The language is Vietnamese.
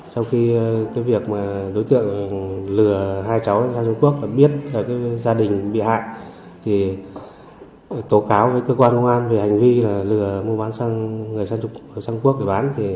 sau khi đối tiện lừa hai cháu sang trung quốc và biết gia đình bị hại thì tố cáo với cơ quan công an về hành vi lừa mua bán sang trung quốc để bán